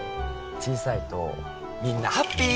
小さいとみんなハッピー！